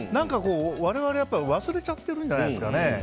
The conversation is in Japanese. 我々は忘れちゃっているんじゃないですかね。